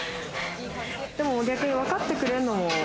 でも逆にわかってくれるのも。